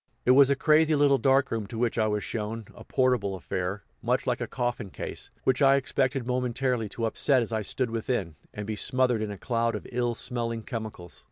It was a crazy little dark room to which I was shown a portable affair, much like a coffin case, which I expected momentarily to upset as I stood within, and be smothered in a cloud of ill smelling chemicals.